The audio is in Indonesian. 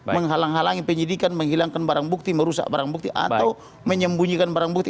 menghalang halangi penyidikan menghilangkan barang bukti merusak barang bukti atau menyembunyikan barang bukti